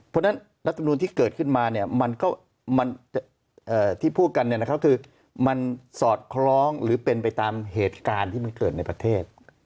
เพราะฉะนั้นรัฐมนุนที่เกิดขึ้นมาเนี่ยมันก็ที่พูดกันคือมันสอดคล้องหรือเป็นไปตามเหตุการณ์ที่มันเกิดในประเทศ